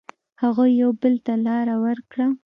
هغوی یو بل ته لاره ورکړه.